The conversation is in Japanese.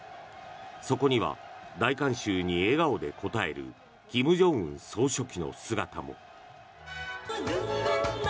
そこには大観衆に笑顔で応える金正恩総書記の姿も。